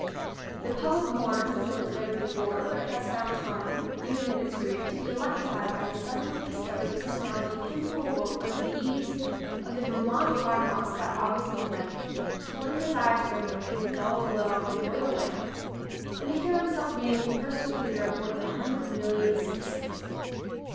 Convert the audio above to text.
The public mourns as almost never before; but it has found time, even in its grief, to be electrified by the suddenly discov ered personality of him who awoke under the eaves of the Vermont farmhouse that August midnight to blink his eyes for a moment in the dull glow of an oil lamp and hear himself named the personal leader of more than a hundred million citizens.